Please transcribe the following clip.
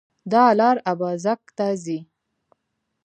دا لار اببازک ته ځي